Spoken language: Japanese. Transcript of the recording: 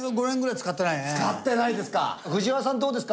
使ってないですか。